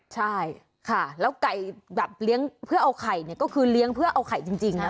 ใช่ค่ะแล้วไก่แบบเลี้ยงเพื่อเอาไข่เนี่ยก็คือเลี้ยงเพื่อเอาไข่จริงนะ